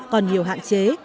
còn nhiều hạn chế